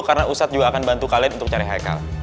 karena ustadz juga akan bantu kalian untuk cari haikal